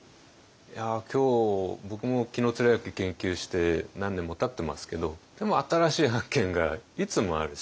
今日僕も紀貫之研究して何年もたってますけどでも新しい発見がいつもあるし。